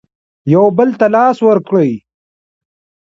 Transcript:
یو بل ته لاس ورکړئ